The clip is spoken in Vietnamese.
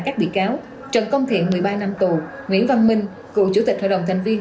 các bị cáo trần công thiện một mươi ba năm tù nguyễn văn minh cựu chủ tịch hội đồng thành viên